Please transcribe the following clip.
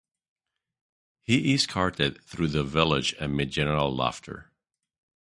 He is carted through the village amid general laughter.